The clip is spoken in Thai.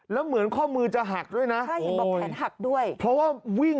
แล้วเหมือนข้อมือจะหักด้วยนะ